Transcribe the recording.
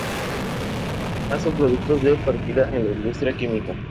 Además son productos de partida en la industria química.